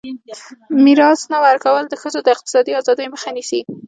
د میراث نه ورکول د ښځو د اقتصادي ازادۍ مخه نیسي.